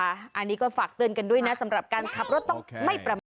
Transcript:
อันนี้ก็ฝากเตือนกันด้วยนะสำหรับการขับรถต้องไม่ประมาท